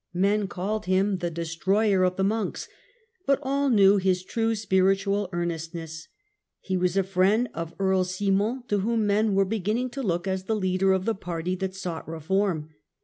Men called him the " destroyer of the monks", but all knew his true spiritual earnestness. " He was a friend of Earl Simon, to whom men. were be ginning to look as the leader of the party that sought reform.